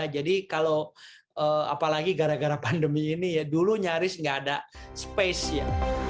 jadi kalau apalagi gara gara pandemi ini dulu nyaris nggak ada space